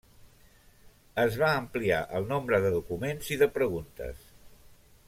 Es va ampliar el nombre de documents i de preguntes.